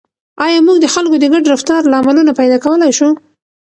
آیا موږ د خلکو د ګډ رفتار لاملونه پیدا کولای شو؟